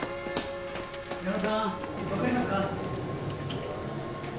・矢野さん分かりますか？